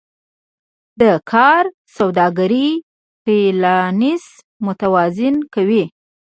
دا کار د سوداګرۍ بیلانس متوازن کوي.